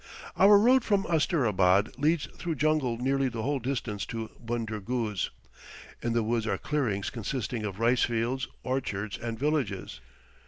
Our road from Asterabad leads through jungle nearly the whole distance to Bunder Guz. In the woods are clearings consisting of rice fields, orchards, and villages.